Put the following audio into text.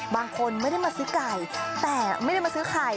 บางคนไม่ได้มาซื้อไก่แต่ไม่ได้มาซื้อไข่